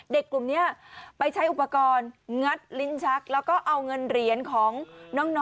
กลุ่มนี้ไปใช้อุปกรณ์งัดลิ้นชักแล้วก็เอาเงินเหรียญของน้อง